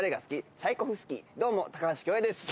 チャイコフスキー、どうも高橋恭平です。